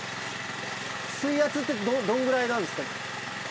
水圧ってどんくらいなんですか？